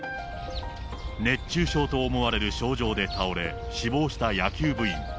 熱中症と思われる症状で倒れ、死亡した野球部員。